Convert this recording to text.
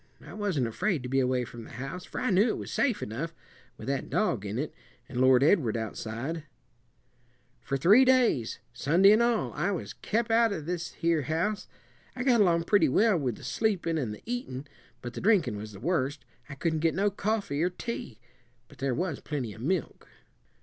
I wasn't afraid to be away from the house for I knew it was safe enough, with that dog in it, and Lord Edward outside. For three days, Sunday an all, I was kep' out of this here house. I got along pretty well with the sleepin' and the eatin', but the drinkin' was the worst. I couldn' get no coffee or tea; but there was plenty of milk."